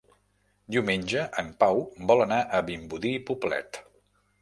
Diumenge en Pau vol anar a Vimbodí i Poblet.